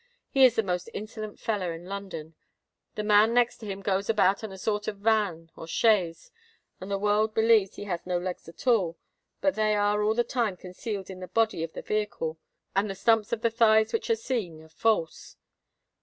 He is the most insolent feller in London. The man next to him goes about on a sort of van, or chaise, and the world believes that he has no legs at all; but they are all the time concealed in the body of the vehicle, and the stumps of the thighs which are seen are false.